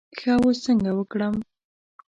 ښه اوس څنګه وکړم.